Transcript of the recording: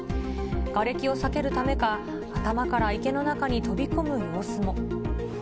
がれきを避けるためか、頭から池の中に飛び込む様子も。